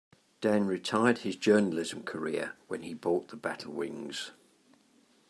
Dan retired his Journalism career when he bought the Battle Wings.